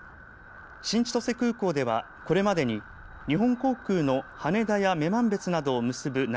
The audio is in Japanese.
新千歳空港ではこれまでに日本航空の羽田や女満別などを結ぶ７